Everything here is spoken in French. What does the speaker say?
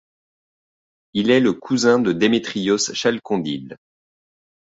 Il est le cousin de Démétrios Chalcondyle.